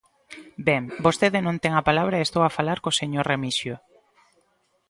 Ben, vostede non ten a palabra e estou a falar co señor Remixio.